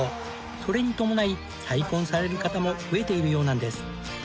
それに伴い再婚される方も増えているようなんです。